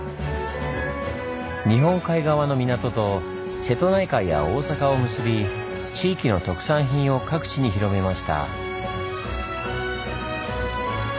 日本海側の港と瀬戸内海や大坂を結び地域の特産品を各地に広めました。